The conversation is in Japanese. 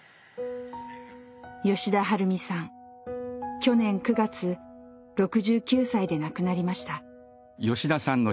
去年９月６９歳で亡くなりました。